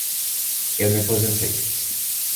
Eu me aposentei.